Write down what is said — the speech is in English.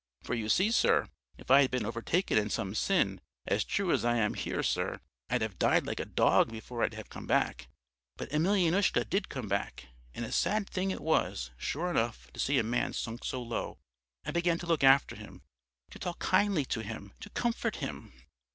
For you see, sir, if I'd been overtaken in some sin, as true as I am here, sir, I'd have died like a dog before I'd have come back. But Emelyanoushka did come back. And a sad thing it was, sure enough, to see a man sunk so low. I began to look after him, to talk kindly to him, to comfort him.